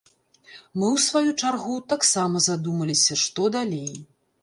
Мы, у сваю чаргу, таксама задумаліся, што далей.